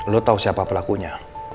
lo tau siapa pelakunya